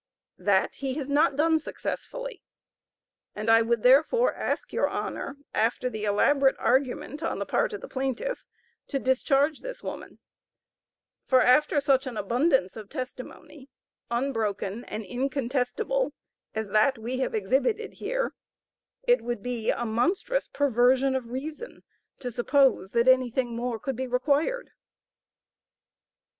That he has not done successfully, and I would, therefore, ask your Honor, after the elaborate argument on the part of the plaintiff, to discharge this woman: for after such an abundance of testimony unbroken and incontestable as that we have exhibited here, it would be a monstrous perversion of reason to suppose that anything more could be required.